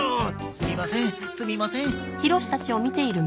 すみませんすみません！